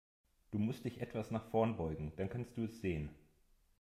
Du musst dich etwas nach vorn beugen, dann kannst du es sehen.